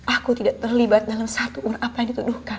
aku tidak terlibat dalam satu apa yang dituduhkan